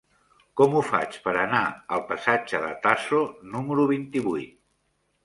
Com ho faig per anar al passatge de Tasso número vint-i-vuit?